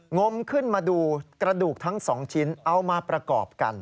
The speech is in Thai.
มขึ้นมาดูกระดูกทั้ง๒ชิ้นเอามาประกอบกัน